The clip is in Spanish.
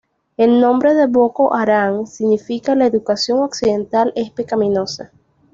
El nombre de Boko Haram significa "la educación occidental es pecaminosa".